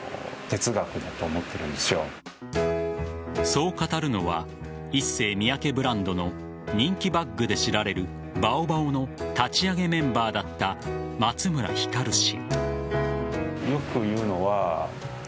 そう語るのはＩＳＳＥＹＭＩＹＡＫＥブランドの人気バッグで知られるＢＡＯＢＡＯの立ち上げメンバーだった松村光氏。